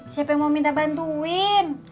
siapa yang mau minta bantuin